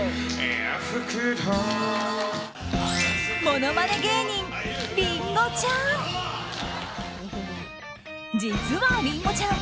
ものまね芸人、りんごちゃん。